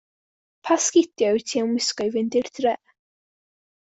Pa sgidie wyt ti am wisgo i fynd i'r dre?